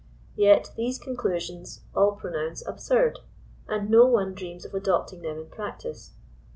Yet these conclusions, all pronounce ab surd, and no one dreams of adopting them in practice.